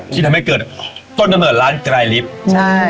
ที่ทำให้เกิดต้นกำเนิดร้านไกรลิฟต์ใช่